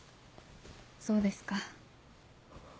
そうですか。